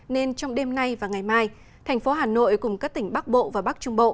nên trong đêm nay và ngày mai thành phố hà nội cùng các tỉnh bắc bộ và bắc trung bộ